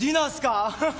アハハハ。